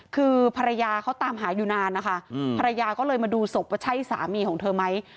คือภรรยาเขาตามหาอยู่นานนะคะภรรยาก็เลยมาดูศพว่าใช่สามีของเธอไหม